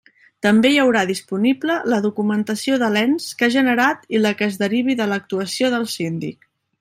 També hi haurà disponible la documentació de l'ens que ha generat i la que es derivi de l'actuació del Síndic.